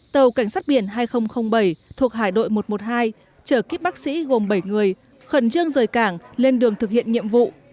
tàu cảnh sát biển hai nghìn bảy thuộc hải đội một trăm một mươi hai chở kiếp bác sĩ gồm bảy người khẩn trương rời cảng lên đường thực hiện nhiệm vụ